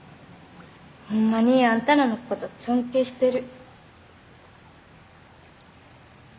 ホンマにあんたらのこと尊敬してる。